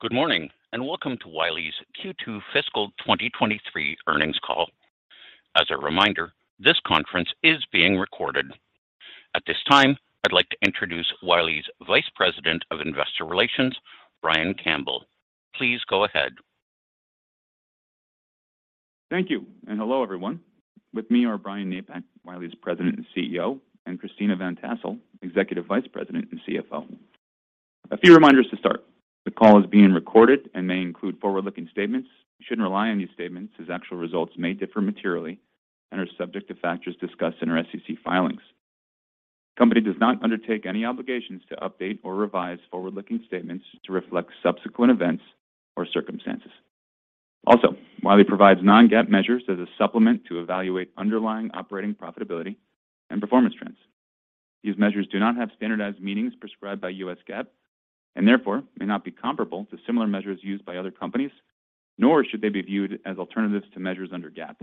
Good morning, and welcome to Wiley's Q2 fiscal 2023 earnings call. As a reminder, this conference is being recorded. At this time, I'd like to introduce Wiley's Vice President of Investor Relations, Brian Campbell. Please go ahead. Thank you. Hello, everyone. With me are Brian Napack, Wiley's President and CEO, and Christina Van Tassell, Executive Vice President and CFO. A few reminders to start. The call is being recorded and may include forward-looking statements. You shouldn't rely on these statements as actual results may differ materially and are subject to factors discussed in our SEC filings. The company does not undertake any obligations to update or revise forward-looking statements to reflect subsequent events or circumstances. Wiley provides non-GAAP measures as a supplement to evaluate underlying operating profitability and performance trends. These measures do not have standardized meanings prescribed by US GAAP and therefore may not be comparable to similar measures used by other companies, nor should they be viewed as alternatives to measures under GAAP.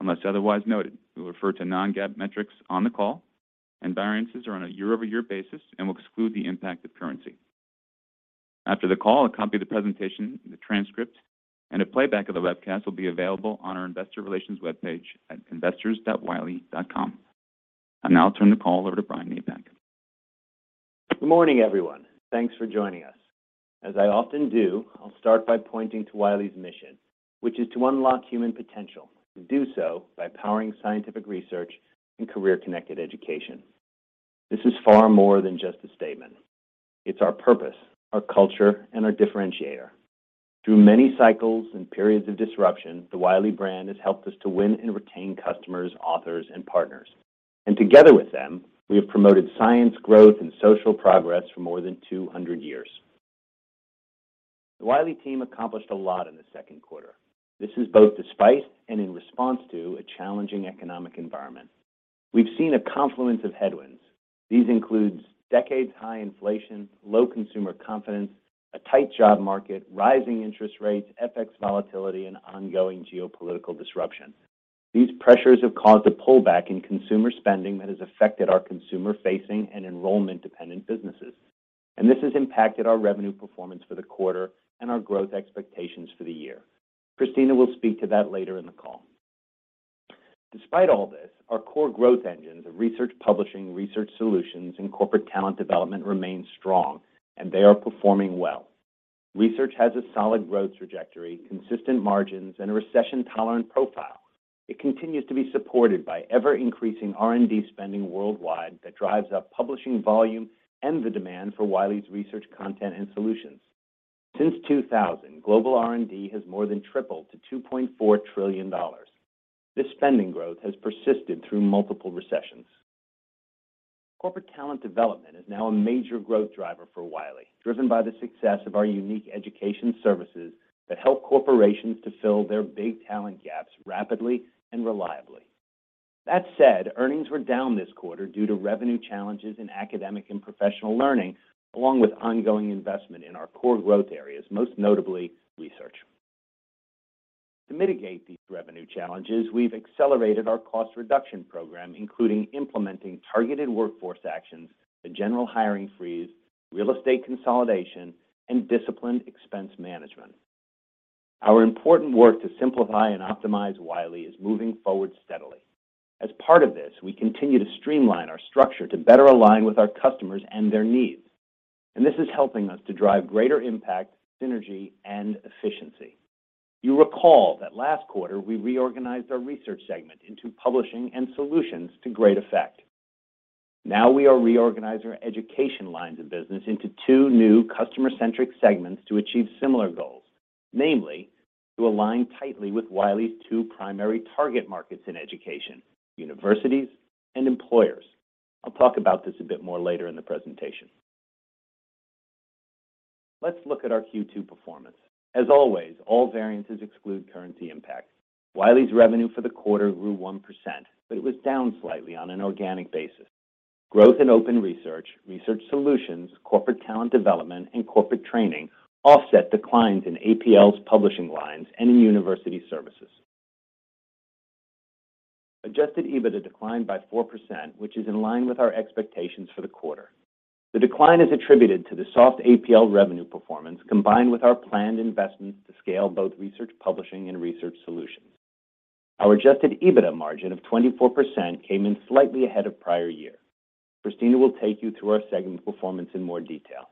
Unless otherwise noted, we'll refer to non-GAAP metrics on the call, and variances are on a year-over-year basis and will exclude the impact of currency. After the call, a copy of the presentation and the transcript and a playback of the webcast will be available on our investor relations webpage at investors.wiley.com. I'll now turn the call over to Brian Napack. Good morning, everyone. Thanks for joining us. As I often do, I'll start by pointing to Wiley's mission, which is to unlock human potential and do so by powering scientific research and career-connected education. This is far more than just a statement. It's our purpose, our culture, and our differentiator. Through many cycles and periods of disruption, the Wiley brand has helped us to win and retain customers, authors, and partners, and together with them, we have promoted science, growth, and social progress for more than 200 years. The Wiley team accomplished a lot in the second quarter. This is both despite and in response to a challenging economic environment. We've seen a confluence of headwinds. These includes decades-high inflation, low consumer confidence, a tight job market, rising interest rates, FX volatility, and ongoing geopolitical disruption. These pressures have caused a pullback in consumer spending that has affected our consumer-facing and enrollment-dependent businesses. This has impacted our revenue performance for the quarter and our growth expectations for the year. Christina will speak to that later in the call. Despite all this, our core growth engines of research publishing, research solutions, and corporate talent development remain strong. They are performing well. Research has a solid growth trajectory, consistent margins, and a recession-tolerant profile. It continues to be supported by ever-increasing R&D spending worldwide that drives up publishing volume and the demand for Wiley's research content and solutions. Since 2000, global R&D has more than tripled to $2.4 trillion. This spending growth has persisted through multiple recessions. Corporate talent development is now a major growth driver for Wiley, driven by the success of our unique education services that help corporations to fill their big talent gaps rapidly and reliably. That said, earnings were down this quarter due to revenue challenges in academic and professional learning, along with ongoing investment in our core growth areas, most notably research. To mitigate these revenue challenges, we've accelerated our cost reduction program, including implementing targeted workforce actions, a general hiring freeze, real estate consolidation, and disciplined expense management. Our important work to simplify and optimize Wiley is moving forward steadily. As part of this, we continue to streamline our structure to better align with our customers and their needs, and this is helping us to drive greater impact, synergy, and efficiency. You'll recall that last quarter, we reorganized our research segment into publishing and solutions to great effect. We are reorganizing our education lines of business into two new customer-centric segments to achieve similar goals, namely to align tightly with Wiley's two primary target markets in education, universities and employers. I'll talk about this a bit more later in the presentation. Let's look at our Q2 performance. As always, all variances exclude currency impact. Wiley's revenue for the quarter grew 1%, it was down slightly on an organic basis. Growth in open research solutions, corporate talent development, and corporate training offset declines in APL's publishing lines and in university services. Adjusted EBITDA declined by 4%, which is in line with our expectations for the quarter. The decline is attributed to the soft APL revenue performance combined with our planned investments to scale both research publishing and research solutions. Our adjusted EBITDA margin of 24% came in slightly ahead of prior year. Christina will take you through our segment performance in more detail.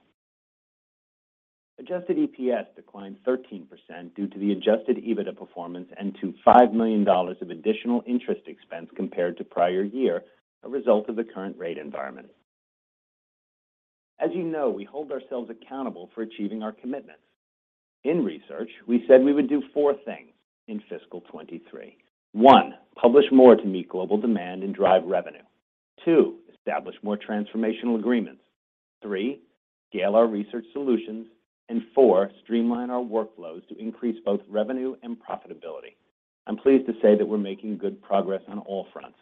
Adjusted EPS declined 13% due to the Adjusted EBITDA performance and to $5 million of additional interest expense compared to prior year, a result of the current rate environment. As you know, we hold ourselves accountable for achieving our commitments. In research, we said we would do four things in fiscal 2023. One, publish more to meet global demand and drive revenue. Two, establish more transformational agreements. Three, scale our research solutions. Four, streamline our workflows to increase both revenue and profitability. I'm pleased to say that we're making good progress on all fronts.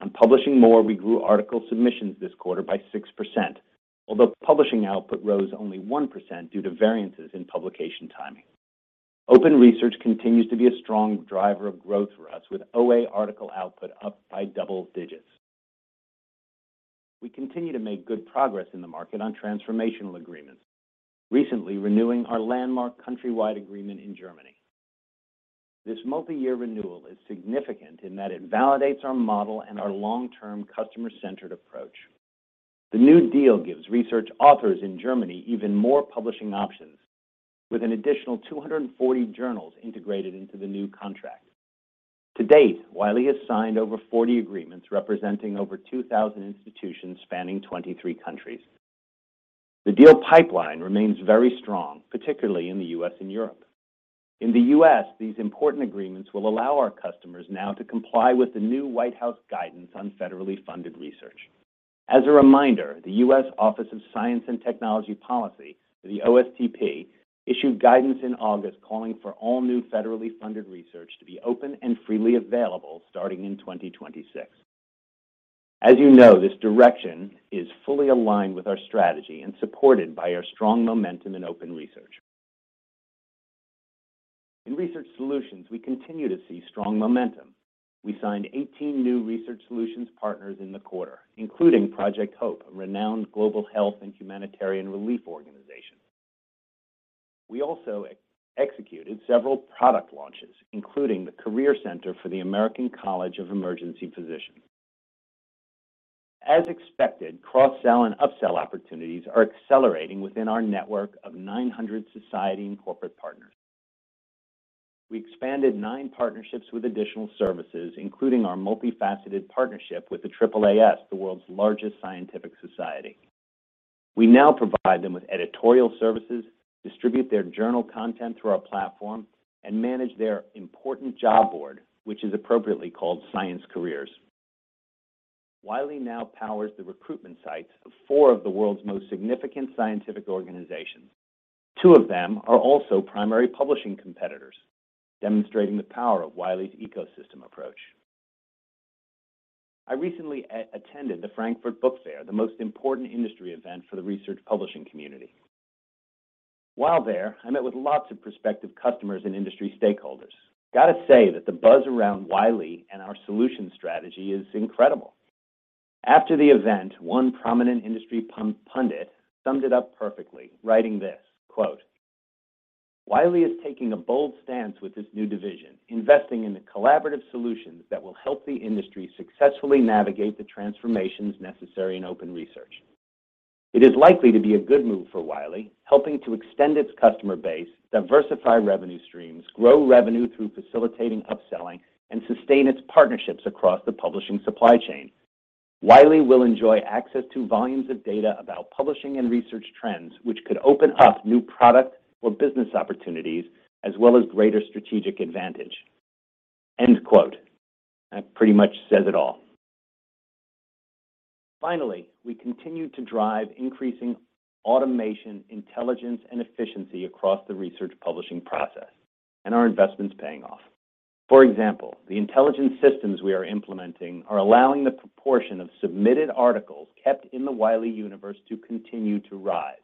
On publishing more, we grew article submissions this quarter by 6%, although publishing output rose only 1% due to variances in publication timing. Open research continues to be a strong driver of growth for us, with OA article output up by double digits. We continue to make good progress in the market on transformational agreements, recently renewing our landmark countrywide agreement in Germany. This multi-year renewal is significant in that it validates our model and our long-term customer-centered approach. The new deal gives research authors in Germany even more publishing options with an additional 240 journals integrated into the new contract. To date, Wiley has signed over 40 agreements representing over 2,000 institutions spanning 23 countries. The deal pipeline remains very strong, particularly in the U.S. and Europe. In the U.S., these important agreements will allow our customers now to comply with the new White House guidance on federally funded research. As a reminder, the U.S. Office of Science and Technology Policy, the OSTP, issued guidance in August calling for all new federally funded research to be open and freely available starting in 2026. As you know, this direction is fully aligned with our strategy and supported by our strong momentum in open research. In research solutions, we continue to see strong momentum. We signed 18 new research solutions partners in the quarter, including Project HOPE, a renowned global health and humanitarian relief organization. We also executed several product launches, including the Career Center for the American College of Emergency Physicians. As expected, cross-sell and upsell opportunities are accelerating within our network of 900 society and corporate partners. We expanded 9 partnerships with additional services, including our multifaceted partnership with the AAAS, the world's largest scientific society. We now provide them with editorial services, distribute their journal content through our platform, and manage their important job board, which is appropriately called Science Careers. Wiley now powers the recruitment sites of four of the world's most significant scientific organizations. Two of them are also primary publishing competitors, demonstrating the power of Wiley's ecosystem approach. I recently attended the Frankfurt Book Fair, the most important industry event for the research publishing community. While there, I met with lots of prospective customers and industry stakeholders. Got to say that the buzz around Wiley and our solution strategy is incredible. After the event, one prominent industry pundit summed it up perfectly, writing this, quote, "Wiley is taking a bold stance with this new division, investing in the collaborative solutions that will help the industry successfully navigate the transformations necessary in open research. It is likely to be a good move for Wiley, helping to extend its customer base, diversify revenue streams, grow revenue through facilitating upselling, and sustain its partnerships across the publishing supply chain. Wiley will enjoy access to volumes of data about publishing and research trends, which could open up new product or business opportunities as well as greater strategic advantage." End quote. That pretty much says it all. We continue to drive increasing automation, intelligence, and efficiency across the research publishing process, and our investment's paying off. For example, the intelligent systems we are implementing are allowing the proportion of submitted articles kept in the Wiley Universe to continue to rise.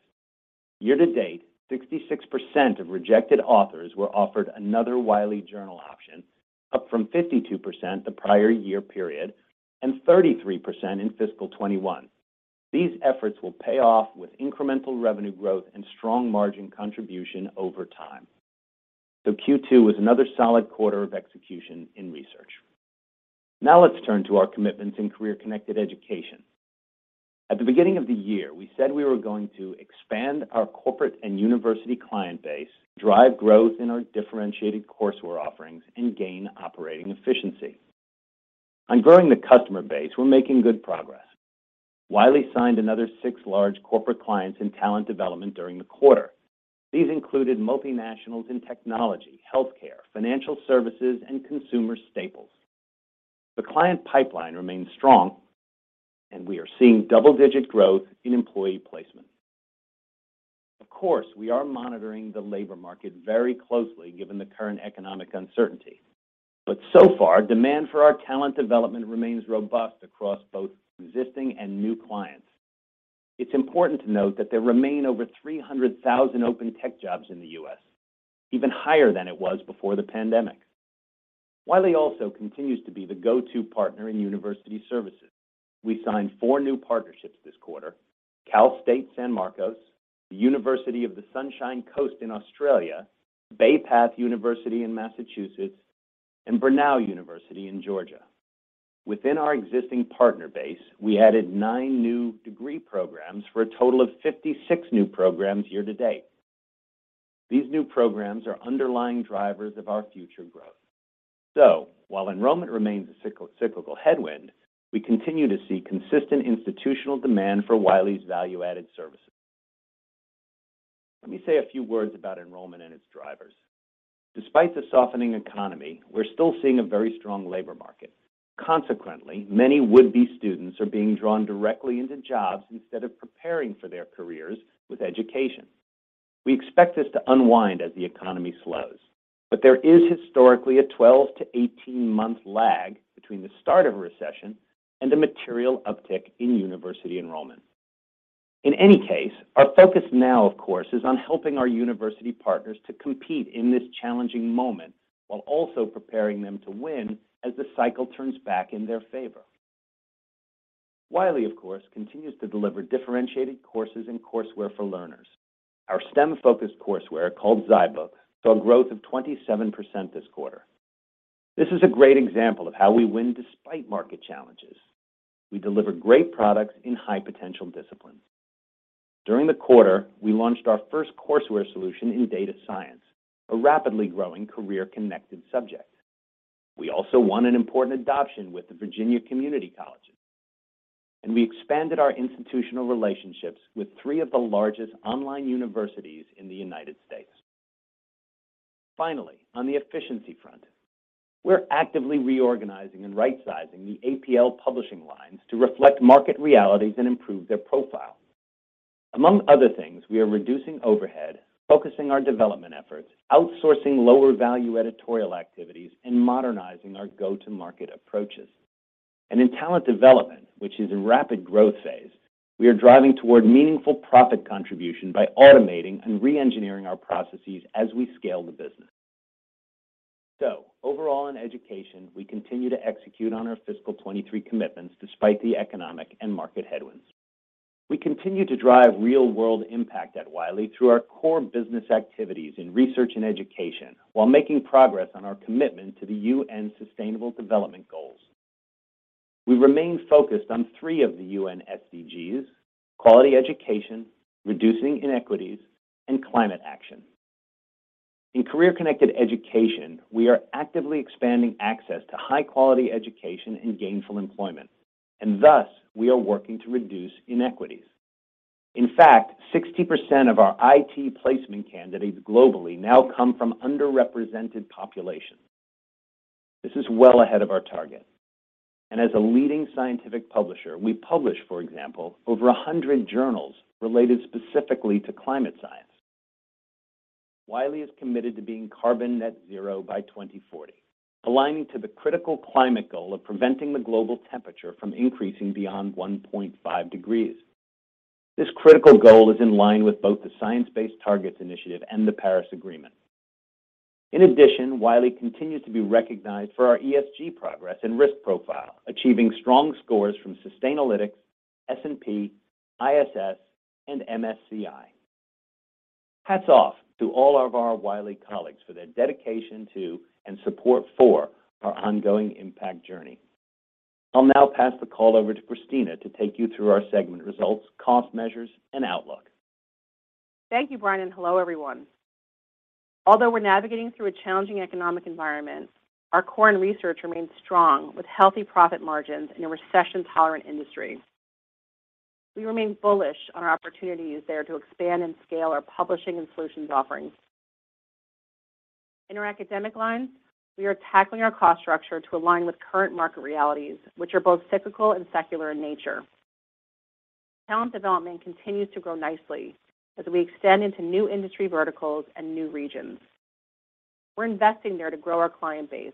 Year to date, 66% of rejected authors were offered another Wiley journal option, up from 52% the prior year period and 33% in fiscal 2021. These efforts will pay off with incremental revenue growth and strong margin contribution over time. Q2 was another solid quarter of execution in research. Let's turn to our commitments in career-connected education. At the beginning of the year, we said we were going to expand our corporate and university client base, drive growth in our differentiated courseware offerings, and gain operating efficiency. On growing the customer base, we're making good progress. Wiley signed another 6 large corporate clients in talent development during the quarter. These included multinationals in technology, healthcare, financial services, and consumer staples. The client pipeline remains strong, and we are seeing double-digit growth in employee placement. Of course, we are monitoring the labor market very closely given the current economic uncertainty, but so far, demand for our talent development remains robust across both existing and new clients. It's important to note that there remain over 300,000 open tech jobs in the U.S., even higher than it was before the pandemic. Wiley also continues to be the go-to partner in university services. We signed 4 new partnerships this quarter, Cal State San Marcos, the University of the Sunshine Coast in Australia, Bay Path University in Massachusetts, and Brenau University in Georgia. Within our existing partner base, we added 9 new degree programs for a total of 56 new programs year to date. These new programs are underlying drivers of our future growth. While enrollment remains a cyclical headwind, we continue to see consistent institutional demand for Wiley's value-added services. Let me say a few words about enrollment and its drivers. Despite the softening economy, we're still seeing a very strong labor market. Consequently, many would-be students are being drawn directly into jobs instead of preparing for their careers with education. We expect this to unwind as the economy slows, but there is historically a 12 to 18-month lag between the start of a recession and a material uptick in university enrollment. In any case, our focus now, of course, is on helping our university partners to compete in this challenging moment while also preparing them to win as the cycle turns back in their favor. Wiley, of course, continues to deliver differentiated courses and courseware for learners. Our STEM-focused courseware, called zyBook, saw growth of 27% this quarter. This is a great example of how we win despite market challenges. We deliver great products in high-potential disciplines. During the quarter, we launched our first courseware solution in data science, a rapidly growing career-connected subject. We also won an important adoption with the Virginia Community Colleges. We expanded our institutional relationships with three of the largest online universities in the United States. Finally, on the efficiency front, we're actively reorganizing and rightsizing the APL publishing lines to reflect market realities and improve their profile. Among other things, we are reducing overhead, focusing our development efforts, outsourcing lower-value editorial activities, and modernizing our go-to-market approaches. In talent development, which is a rapid growth phase, we are driving toward meaningful profit contribution by automating and re-engineering our processes as we scale the business. Overall in education, we continue to execute on our fiscal 2023 commitments despite the economic and market headwinds. We continue to drive real-world impact at Wiley through our core business activities in research and education while making progress on our commitment to the UN Sustainable Development Goals. We remain focused on three of the UN SDGs: quality education, reducing inequities, and climate action. In career-connected education, we are actively expanding access to high-quality education and gainful employment, and thus, we are working to reduce inequities. In fact, 60% of our IT placement candidates globally now come from underrepresented populations. This is well ahead of our target. As a leading scientific publisher, we publish, for example, over 100 journals related specifically to climate science. Wiley is committed to being carbon net zero by 2040, aligning to the critical climate goal of preventing the global temperature from increasing beyond 1.5 degrees. This critical goal is in line with both the Science Based Targets initiative and the Paris Agreement. In addition, Wiley continues to be recognized for our ESG progress and risk profile, achieving strong scores from Sustainalytics, S&P, ISS, and MSCI. Hats off to all of our Wiley colleagues for their dedication to and support for our ongoing impact journey. I'll now pass the call over to Christina to take you through our segment results, cost measures, and outlook. Thank you, Brian. Hello, everyone. Although we're navigating through a challenging economic environment, our core and research remains strong with healthy profit margins in a recession-tolerant industry. We remain bullish on our opportunities there to expand and scale our publishing and solutions offerings. In our academic lines, we are tackling our cost structure to align with current market realities, which are both cyclical and secular in nature. Talent development continues to grow nicely as we extend into new industry verticals and new regions. We're investing there to grow our client base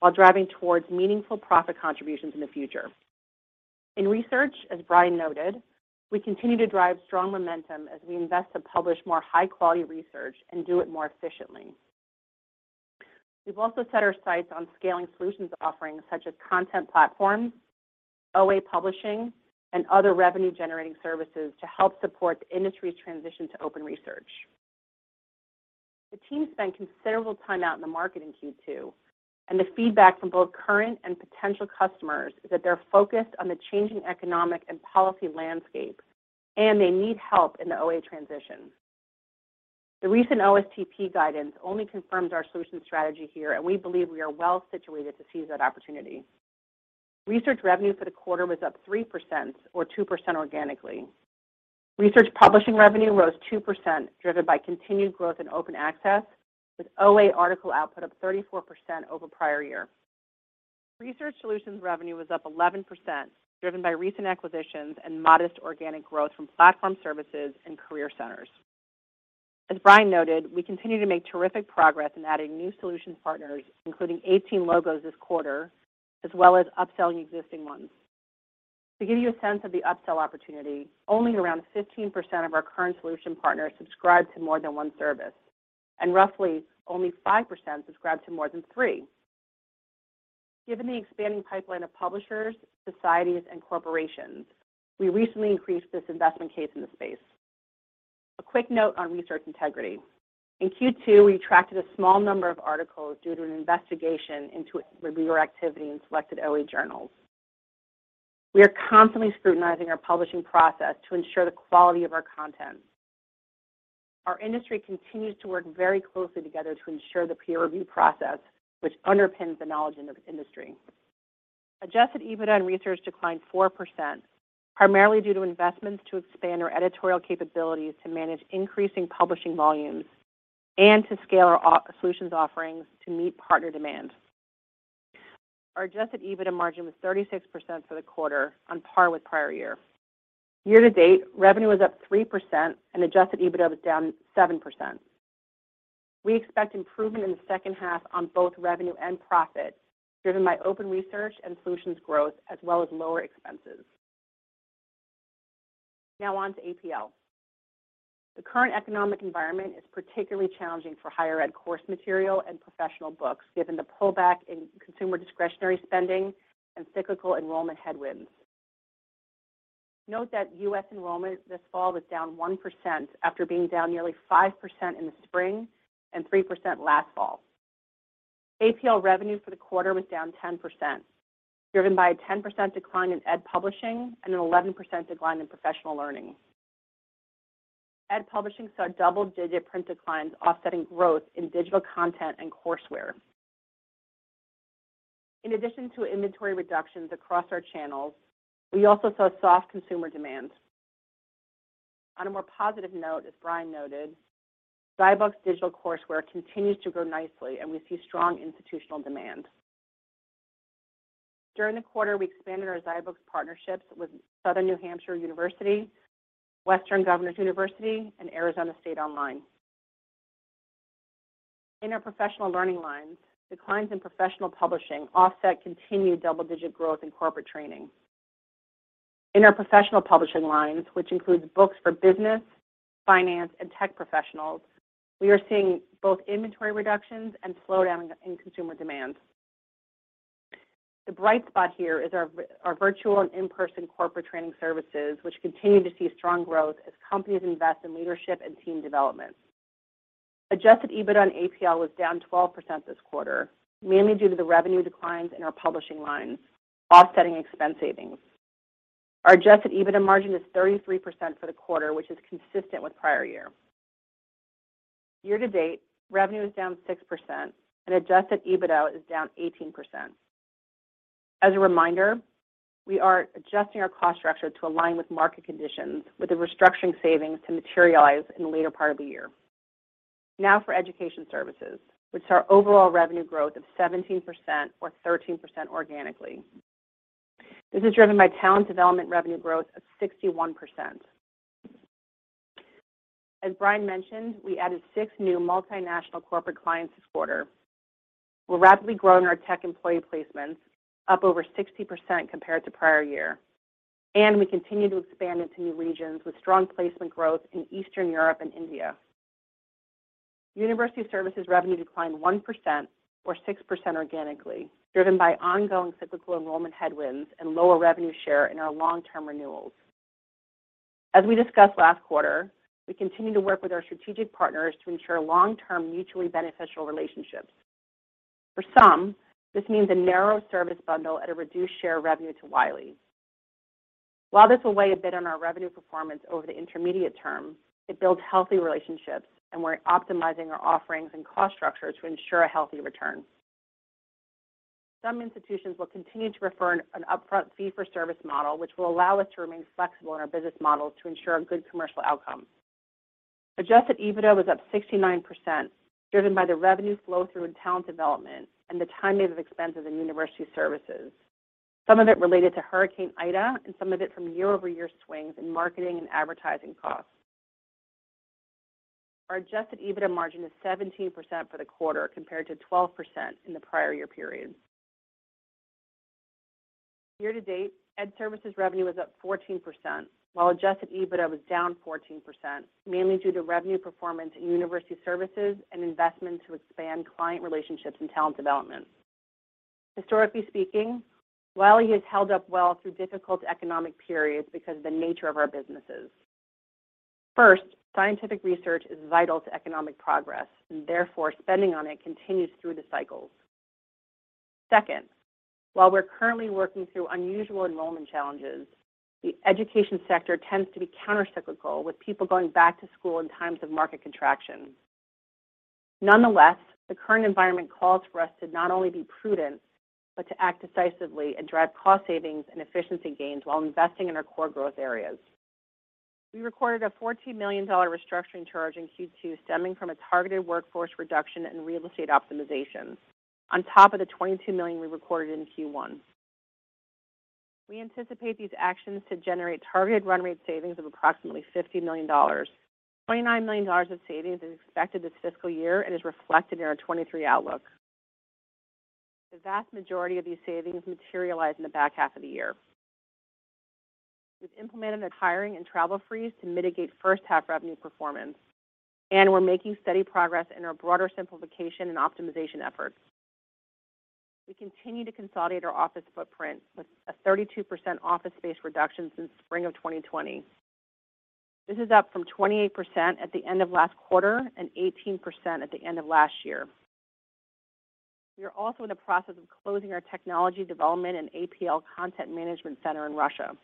while driving towards meaningful profit contributions in the future. In research, as Brian noted, we continue to drive strong momentum as we invest to publish more high-quality research and do it more efficiently. We've also set our sights on scaling solutions offerings such as content platforms, OA publishing, and other revenue-generating services to help support the industry's transition to open research. The team spent considerable time out in the market in Q2, and the feedback from both current and potential customers is that they're focused on the changing economic and policy landscape, and they need help in the OA transition. The recent OSTP guidance only confirms our solution strategy here, and we believe we are well situated to seize that opportunity. Research revenue for the quarter was up 3% or 2% organically. Research publishing revenue rose 2%, driven by continued growth in open access, with OA article output up 34% over prior year. Research solutions revenue was up 11%, driven by recent acquisitions and modest organic growth from platform services and career centers. As Brian noted, we continue to make terrific progress in adding new solution partners, including 18 logos this quarter, as well as upselling existing ones. To give you a sense of the upsell opportunity, only around 15% of our current solution partners subscribe to more than one service, and roughly only 5% subscribe to more than three. Given the expanding pipeline of publishers, societies, and corporations, we recently increased this investment case in the space. A quick note on research integrity. In Q2, we retracted a small number of articles due to an investigation into reviewer activity in selected OA journals. We are constantly scrutinizing our publishing process to ensure the quality of our content. Our industry continues to work very closely together to ensure the peer review process, which underpins the knowledge in the industry. Adjusted EBITDA in research declined 4%, primarily due to investments to expand our editorial capabilities to manage increasing publishing volumes and to scale our solutions offerings to meet partner demand. Our Adjusted EBITDA margin was 36% for the quarter, on par with prior year. Year to date, revenue was up 3% and Adjusted EBITDA was down 7%. We expect improvement in the second half on both revenue and profit, driven by open research and solutions growth, as well as lower expenses. On to APL. The current economic environment is particularly challenging for higher ed course material and professional books, given the pullback in consumer discretionary spending and cyclical enrollment headwinds. Note that U.S. enrollment this fall was down 1% after being down nearly 5% in the spring and 3% last fall. APL revenue for the quarter was down 10%, driven by a 10% decline in ed publishing and an 11% decline in professional learning. Ed publishing saw double-digit print declines offsetting growth in digital content and courseware. In addition to inventory reductions across our channels, we also saw soft consumer demand. On a more positive note, as Brian noted, zyBook's digital courseware continues to grow nicely, and we see strong institutional demand. During the quarter, we expanded our zyBook partnerships with Southern New Hampshire University, Western Governors University, and Arizona State Online. In our professional learning lines, declines in professional publishing offset continued double-digit growth in corporate training. In our professional publishing lines, which includes books for business, finance, and tech professionals, we are seeing both inventory reductions and slowdown in consumer demand. The bright spot here is our virtual and in-person corporate training services, which continue to see strong growth as companies invest in leadership and team development. Adjusted EBITDA on APL was down 12% this quarter, mainly due to the revenue declines in our publishing lines, offsetting expense savings. Our Adjusted EBITDA margin is 33% for the quarter, which is consistent with prior year. Year-to-date, revenue is down 6% and Adjusted EBITDA is down 18%. As a reminder, we are adjusting our cost structure to align with market conditions with the restructuring savings to materialize in the later part of the year. For Education Services, which saw overall revenue growth of 17% or 13% organically. This is driven by talent development revenue growth of 61%. As Brian mentioned, we added six new multinational corporate clients this quarter. We're rapidly growing our tech employee placements, up over 60% compared to prior year. We continue to expand into new regions with strong placement growth in Eastern Europe and India. University Services revenue declined 1% or 6% organically, driven by ongoing cyclical enrollment headwinds and lower revenue share in our long-term renewals. As we discussed last quarter, we continue to work with our strategic partners to ensure long-term mutually beneficial relationships. For some, this means a narrow service bundle at a reduced share revenue to Wiley. While this will weigh a bit on our revenue performance over the intermediate term, it builds healthy relationships. We're optimizing our offerings and cost structures to ensure a healthy return. Some institutions will continue to prefer an upfront fee-for-service model, which will allow us to remain flexible in our business models to ensure a good commercial outcome. Adjusted EBITDA was up 69%, driven by the revenue flow-through in talent development and the timing of expenses in University Services, some of it related to Hurricane Ida and some of it from year-over-year swings in marketing and advertising costs. Our Adjusted EBITDA margin is 17% for the quarter, compared to 12% in the prior year period. Year-to-date, ed services revenue was up 14%, while Adjusted EBITDA was down 14%, mainly due to revenue performance in University Services and investment to expand client relationships and talent development. Historically speaking, Wiley has held up well through difficult economic periods because of the nature of our businesses. First, scientific research is vital to economic progress, and therefore, spending on it continues through the cycles. While we're currently working through unusual enrollment challenges, the education sector tends to be countercyclical, with people going back to school in times of market contraction. The current environment calls for us to not only be prudent, but to act decisively and drive cost savings and efficiency gains while investing in our core growth areas. We recorded a $40 million restructuring charge in Q2 stemming from a targeted workforce reduction in real estate optimization. On top of the $22 million we recorded in Q1. We anticipate these actions to generate targeted run rate savings of approximately $50 million. $29 million of savings is expected this fiscal year and is reflected in our '23 outlook. The vast majority of these savings materialize in the back half of the year. We've implemented a hiring and travel freeze to mitigate first half revenue performance, and we're making steady progress in our broader simplification and optimization efforts. We continue to consolidate our office footprint with a 32% office space reduction since spring of 2020. This is up from 28% at the end of last quarter and 18% at the end of last year. We are also in the process of closing our technology development and APL content management center in Russia.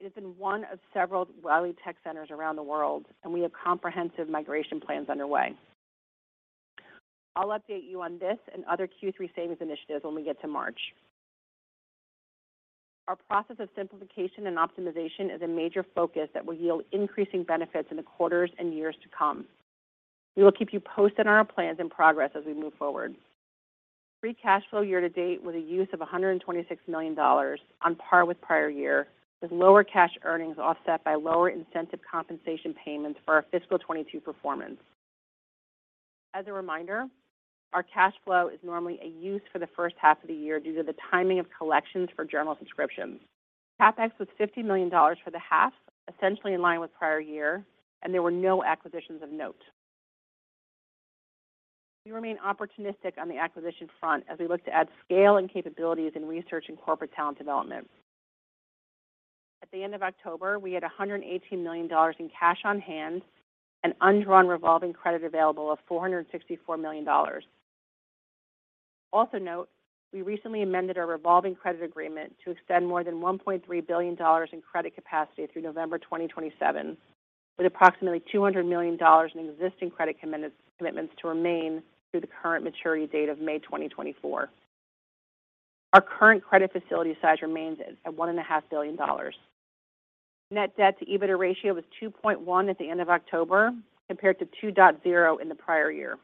It has been one of several Wiley tech centers around the world, and we have comprehensive migration plans underway. I'll update you on this and other Q3 savings initiatives when we get to March. Our process of simplification and optimization is a major focus that will yield increasing benefits in the quarters and years to come. We will keep you posted on our plans and progress as we move forward. Free cash flow year to date with a use of $126 million on par with prior year, with lower cash earnings offset by lower incentive compensation payments for our fiscal 2022 performance. As a reminder, our cash flow is normally a use for the first half of the year due to the timing of collections for journal subscriptions. CapEx was $50 million for the half, essentially in line with prior year. There were no acquisitions of note. We remain opportunistic on the acquisition front as we look to add scale and capabilities in research and corporate talent development. At the end of October, we had $118 million in cash on hand and undrawn revolving credit available of $464 million. Note, we recently amended our revolving credit agreement to extend more than $1.3 billion in credit capacity through November 2027, with approximately $200 million in existing credit commitments to remain through the current maturity date of May 2024. Our current credit facility size remains at one and a half billion dollars. Net debt to EBITDA ratio was 2.1 at the end of October, compared to 2.0 in the prior year.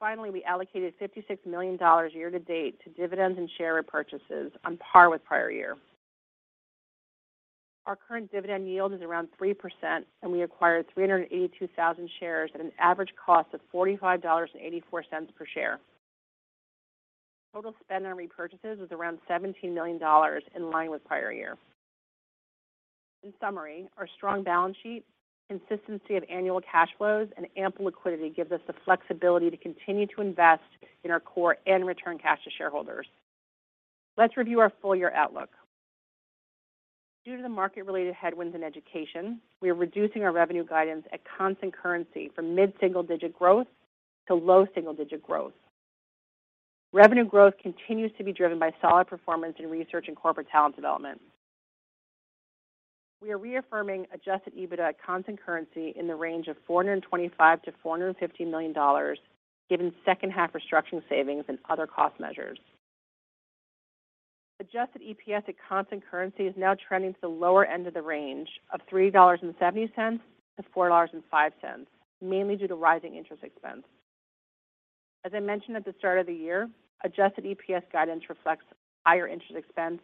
We allocated $56 million year-to-date to dividends and share repurchases on par with prior year. Our current dividend yield is around 3%. We acquired 382,000 shares at an average cost of $45.84 per share. Total spend on repurchases was around $17 million, in line with prior year. In summary, our strong balance sheet, consistency of annual cash flows, and ample liquidity gives us the flexibility to continue to invest in our core and return cash to shareholders. Let's review our full year outlook. Due to the market-related headwinds in education, we are reducing our revenue guidance at constant currency from mid-single-digit growth to low single-digit growth. Revenue growth continues to be driven by solid performance in research and corporate talent development. We are reaffirming Adjusted EBITDA at constant currency in the range of $425 million-$450 million, given second half restructuring savings and other cost measures. Adjusted EPS at constant currency is now trending to the lower end of the range of $3.70-$4.05, mainly due to rising interest expense. As I mentioned at the start of the year, Adjusted EPS guidance reflects higher interest expense,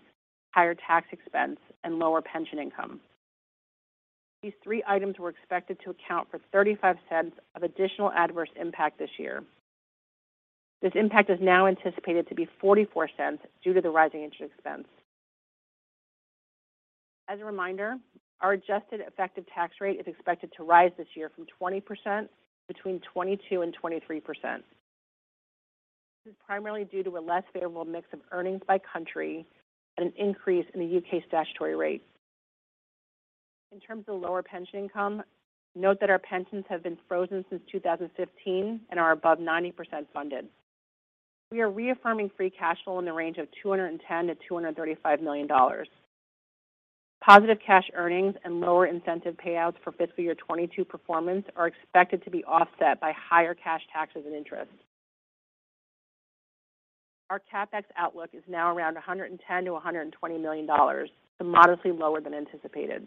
higher tax expense, and lower pension income. These three items were expected to account for $0.35 of additional adverse impact this year. This impact is now anticipated to be $0.44 due to the rising interest expense. As a reminder, our adjusted effective tax rate is expected to rise this year from 20% to between 22% and 23%. This is primarily due to a less favorable mix of earnings by country and an increase in the U.K. statutory rate. In terms of lower pension income, note that our pensions have been frozen since 2015 and are above 90% funded. We are reaffirming free cash flow in the range of $210 million-$235 million. Positive cash earnings and lower incentive payouts for fiscal year 2022 performance are expected to be offset by higher cash taxes and interest. Our CapEx outlook is now around $110 million-$120 million to modestly lower than anticipated.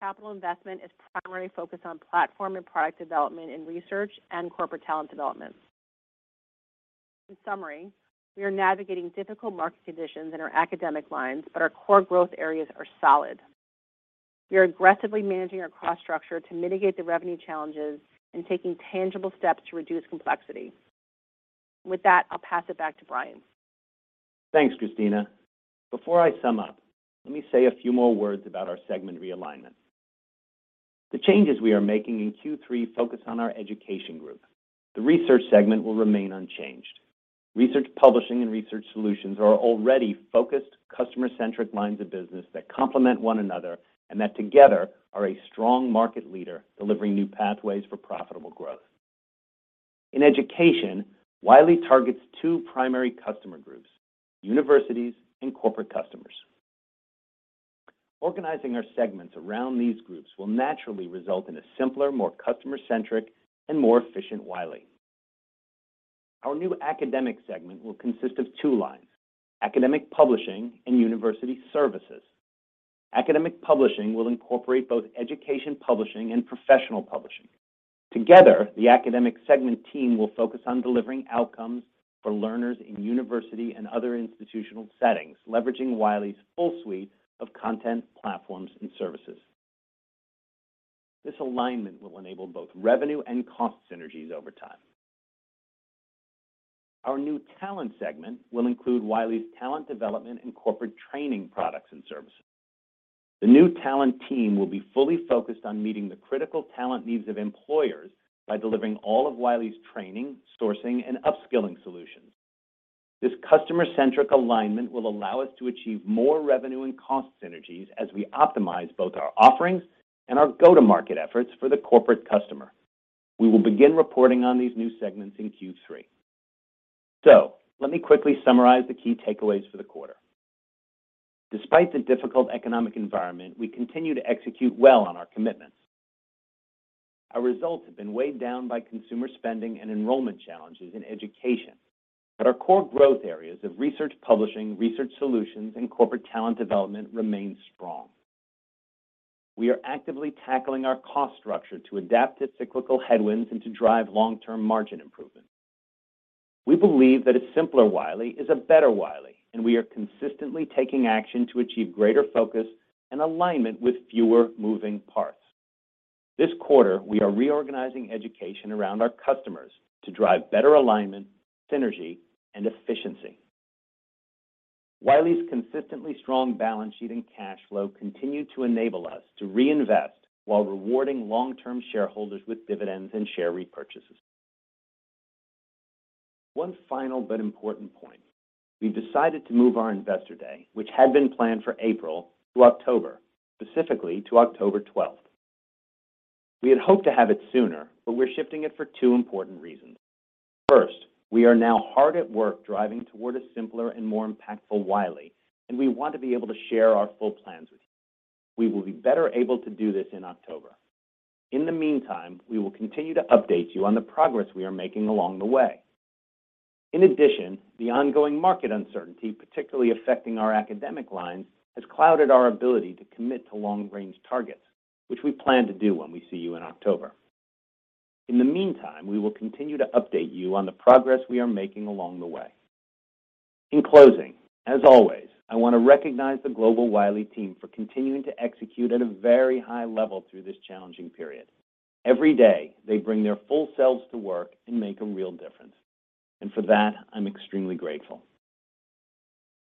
Capital investment is primarily focused on platform and product development in research and corporate talent development. In summary, we are navigating difficult market conditions in our academic lines, but our core growth areas are solid. We are aggressively managing our cost structure to mitigate the revenue challenges and taking tangible steps to reduce complexity. With that, I'll pass it back to Brian. Thanks, Christina. Before I sum up, let me say a few more words about our segment realignment. The changes we are making in Q3 focus on our education group. The research segment will remain unchanged. Research publishing and Research solutions are already focused customer-centric lines of business that complement one another and that together are a strong market leader delivering new pathways for profitable growth. In education, Wiley targets two primary customer groups, universities and corporate customers. Organizing our segments around these groups will naturally result in a simpler, more customer-centric, and more efficient Wiley. Our new Academic segment will consist of two lines, Academic publishing and University services. Academic publishing will incorporate both Education publishing and Professional publishing. Together, the Academic segment team will focus on delivering outcomes for learners in university and other institutional settings, leveraging Wiley's full suite of content, platforms, and services. This alignment will enable both revenue and cost synergies over time. Our new talent segment will include Wiley's talent development and corporate training products and services. The new talent team will be fully focused on meeting the critical talent needs of employers by delivering all of Wiley's training, sourcing, and upskilling solutions. This customer-centric alignment will allow us to achieve more revenue and cost synergies as we optimize both our offerings and our go-to-market efforts for the corporate customer. We will begin reporting on these new segments in Q3. Let me quickly summarize the key takeaways for the quarter. Despite the difficult economic environment, we continue to execute well on our commitments. Our results have been weighed down by consumer spending and enrollment challenges in education, but our core growth areas of research publishing, research solutions, and corporate talent development remain strong. We are actively tackling our cost structure to adapt to cyclical headwinds and to drive long-term margin improvement. We believe that a simpler Wiley is a better Wiley, and we are consistently taking action to achieve greater focus and alignment with fewer moving parts. This quarter, we are reorganizing education around our customers to drive better alignment, synergy, and efficiency. Wiley's consistently strong balance sheet and cash flow continue to enable us to reinvest while rewarding long-term shareholders with dividends and share repurchases. One final but important point. We've decided to move our Investor Day, which had been planned for April, to October, specifically to October 12th. We had hoped to have it sooner, but we're shifting it for two important reasons. First, we are now hard at work driving toward a simpler and more impactful Wiley, and we want to be able to share our full plans with you. We will be better able to do this in October. In the meantime, we will continue to update you on the progress we are making along the way. In addition, the ongoing market uncertainty, particularly affecting our academic lines, has clouded our ability to commit to long-range targets, which we plan to do when we see you in October. In the meantime, we will continue to update you on the progress we are making along the way. In closing, as always, I want to recognize the global Wiley team for continuing to execute at a very high level through this challenging period. Every day, they bring their full selves to work and make a real difference, and for that, I'm extremely grateful.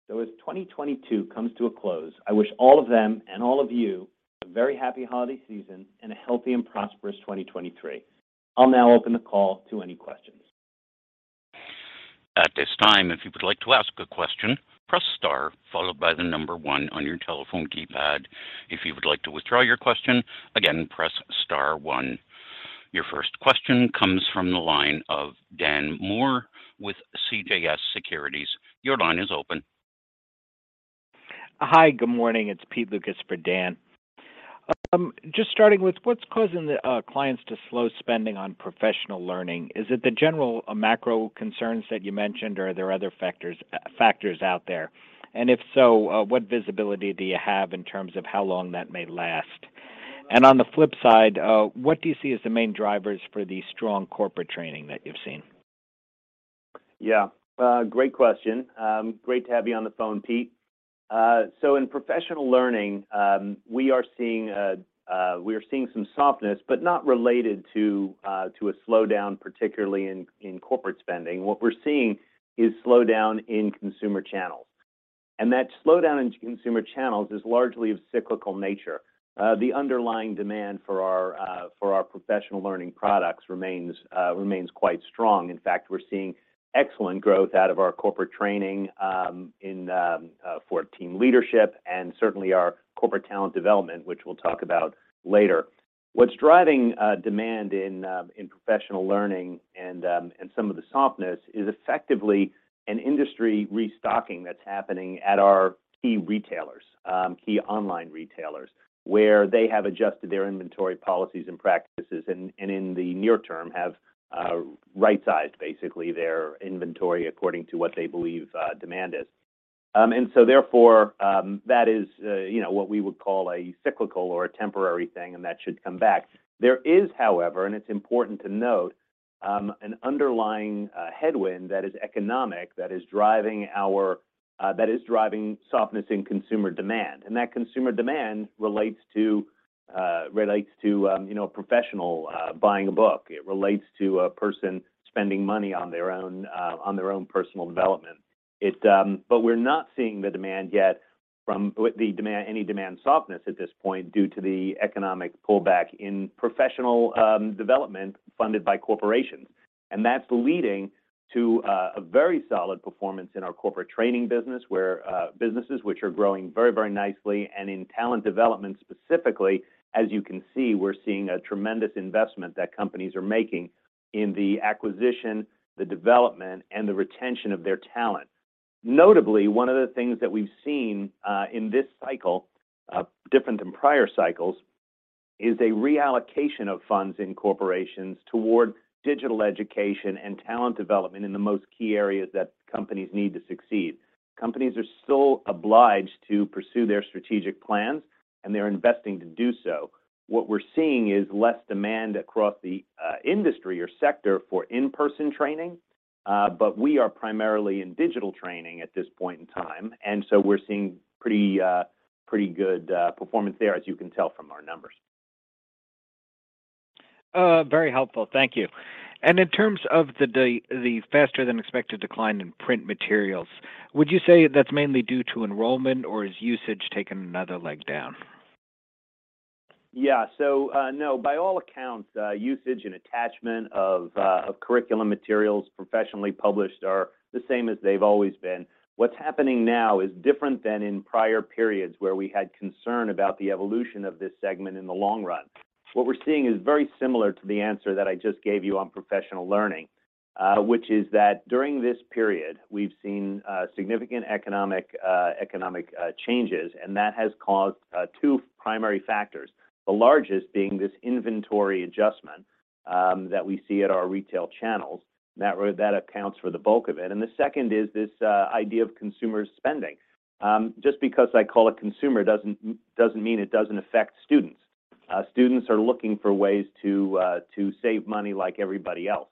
As 2022 comes to a close, I wish all of them and all of you a very happy holiday season and a healthy and prosperous 2023. I'll now open the call to any questions. At this time, if you would like to ask a question, press star followed by the number one on your telephone keypad. If you would like to withdraw your question, again, press star one. Your first question comes from the line of Daniel Moore with CJS Securities. Your line is open. Hi. Good morning. It's Peter Lucas for Dan. Just starting with what's causing the clients to slow spending on professional learning. Is it the general macro concerns that you mentioned, or are there other factors out there? If so, what visibility do you have in terms of how long that may last? On the flip side, what do you see as the main drivers for the strong corporate training that you've seen? Yeah. Great question. Great to have you on the phone, Pete. In professional learning, we are seeing some softness but not related to a slowdown, particularly in corporate spending. What we're seeing is slowdown in consumer channels, and that slowdown in consumer channels is largely of cyclical nature. The underlying demand for our professional learning products remains quite strong. In fact, we're seeing excellent growth out of our corporate training for team leadership and certainly our corporate talent development, which we'll talk about later. What's driving demand in professional learning and some of the softness is effectively an industry restocking that's happening at our key retailers, key online retailers, where they have adjusted their inventory policies and practices and in the near term have right-sized basically their inventory according to what they believe demand is. Therefore, you know, what we would call a cyclical or a temporary thing, and that should come back. There is, however, and it's important to note, an underlying headwind that is economic that is driving softness in consumer demand. That consumer demand relates to, relates to, you know, a professional, buying a book. It relates to a person spending money on their own, on their own personal development. We're not seeing the demand yet, any demand softness at this point due to the economic pullback in professional development funded by corporations. That's leading to a very solid performance in our corporate training business where businesses which are growing very, very nicely and in talent development specifically. As you can see, we're seeing a tremendous investment that companies are making in the acquisition, the development, and the retention of their talent. Notably, one of the things that we've seen in this cycle, different than prior cycles, is a reallocation of funds in corporations toward digital education and talent development in the most key areas that companies need to succeed. Companies are still obliged to pursue their strategic plans, and they're investing to do so. What we're seeing is less demand across the industry or sector for in-person training, but we are primarily in digital training at this point in time. We're seeing pretty good performance there, as you can tell from our numbers. Very helpful. Thank you. In terms of the faster than expected decline in print materials, would you say that's mainly due to enrollment, or is usage taking another leg down? Yeah. No, by all accounts, usage and attachment of curriculum materials professionally published are the same as they've always been. What's happening now is different than in prior periods where we had concern about the evolution of this segment in the long run. What we're seeing is very similar to the answer that I just gave you on professional learning, which is that during this period, we've seen significant economic changes, and that has caused primaryprimary factors, the largest being this inventory adjustment. That accounts for the bulk of it. The second is this idea of consumer spending. Just because I call it consumer doesn't mean it doesn't affect students. Students are looking for ways to save money like everybody else.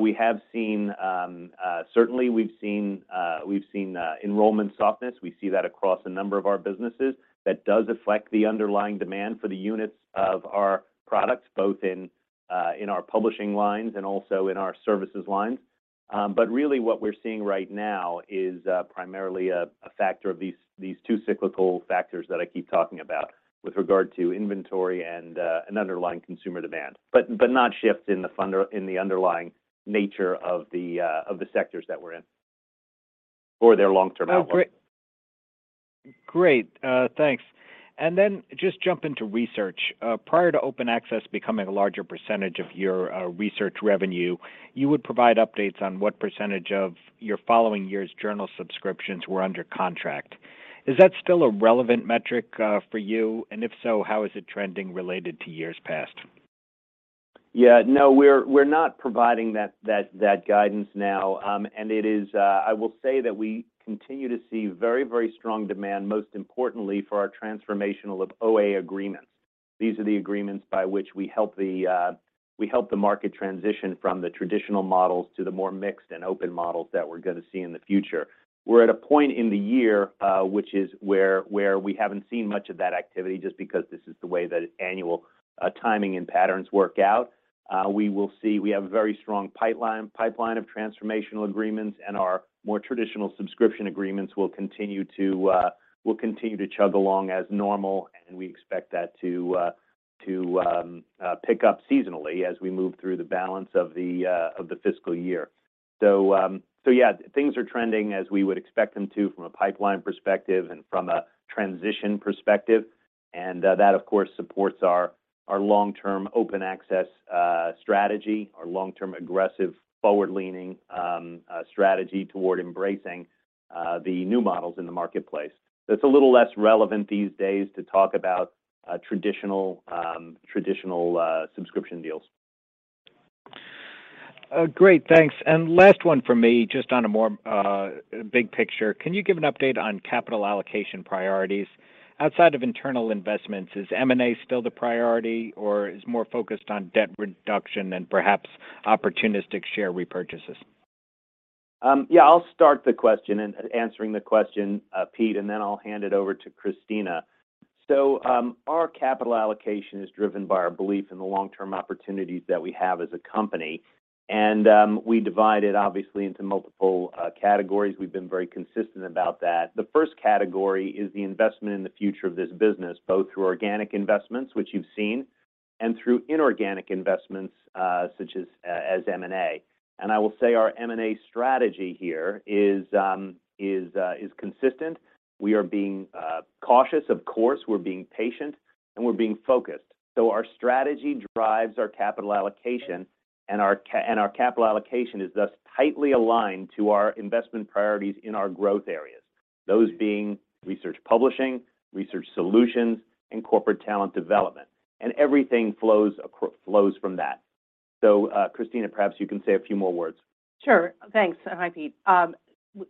We have seen, certainly we've seen, enrollment softness. We see that across a number of our businesses. That does affect the underlying demand for the units of our products, both in our publishing lines and also in our services lines. Really what we're seeing right now is primarily a factor of these two cyclical factors that I keep talking about with regard to inventory and an underlying consumer demand, but not shifts in the underlying nature of the sectors that we're in or their long-term outlook. Great. Great. Thanks. Just jump into research. Prior to open access becoming a larger % of your research revenue, you would provide updates on what percentage of your following year's journal subscriptions were under contract. Is that still a relevant metric for you? If so, how is it trending related to years past? Yeah. No, we're not providing that guidance now. It is, I will say that we continue to see very, very strong demand, most importantly for our transformational OA agreements. These are the agreements by which we help the market transition from the traditional models to the more mixed and open models that we're gonna see in the future. We're at a point in the year, which is where we haven't seen much of that activity just because this is the way that annual timing and patterns work out. We will see. We have a very strong pipeline of transformational agreements, and our more traditional subscription agreements will continue to chug along as normal, and we expect that to pick up seasonally as we move through the balance of the fiscal year. Yeah, things are trending as we would expect them to from a pipeline perspective and from a transition perspective. That of course supports our long-term open access strategy. Our long-term, aggressive, forward-leaning strategy toward embracing the new models in the marketplace. It's a little less relevant these days to talk about traditional subscription deals. Great. Thanks. Last one from me, just on a more big picture. Can you give an update on capital allocation priorities? Outside of internal investments, is M&A still the priority, or is more focused on debt reduction and perhaps opportunistic share repurchases? I'll start the question in answering the question, Pete, and then I'll hand it over to Christina. Our capital allocation is driven by our belief in the long-term opportunities that we have as a company. We divide it obviously into multiple categories. We've been very consistent about that. The first category is the investment in the future of this business, both through organic investments, which you've seen, and through inorganic investments, such as M&A. I will say our M&A strategy here is consistent. We are being cautious, of course. We're being patient, and we're being focused. Our strategy drives our capital allocation, and our capital allocation is thus tightly aligned to our investment priorities in our growth areas, those being research publishing, research solutions, and corporate talent development. Everything flows from that. Christina, perhaps you can say a few more words. Sure. Thanks. Hi, Pete.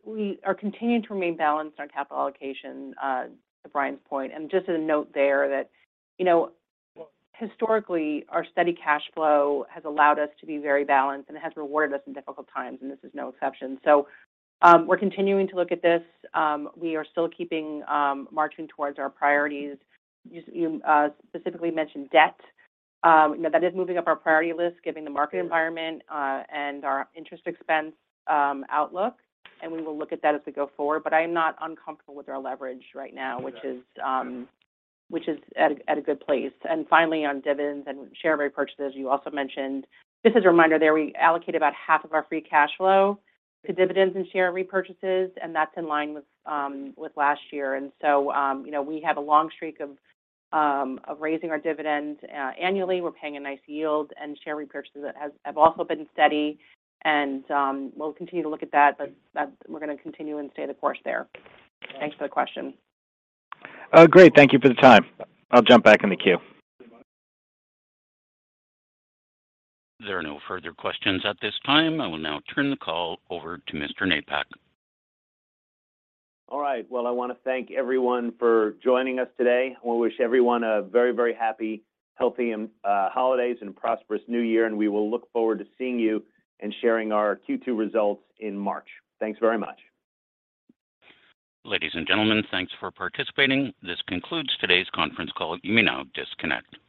We are continuing to remain balanced on capital allocation to Brian's point. Just as a note there that, you know, historically, our steady cash flow has allowed us to be very balanced, and it has rewarded us in difficult times, and this is no exception. We're continuing to look at this. We are still keeping marching towards our priorities. You specifically mentioned debt. You know, that is moving up our priority list given the market environment. Sure Our interest expense, outlook, and we will look at that as we go forward. I am not uncomfortable with our leverage right now. Yeah which is at a good place. Finally, on dividends and share repurchases you also mentioned, just as a reminder there, we allocate about half of our free cash flow to dividends and share repurchases, and that's in line with last year. So, you know, we have a long streak of raising our dividend annually. We're paying a nice yield, and share repurchases have also been steady and we'll continue to look at that, but we're gonna continue and stay the course there. Yeah. Thanks for the question. Great. Thank you for the time. I'll jump back in the queue. There are no further questions at this time. I will now turn the call over to Mr. Napack. All right. Well, I wanna thank everyone for joining us today. We wish everyone a very, very happy, healthy, holidays and prosperous new year. We will look forward to seeing you and sharing our Q2 results in March. Thanks very much. Ladies and gentlemen, thanks for participating. This concludes today's conference call. You may now disconnect.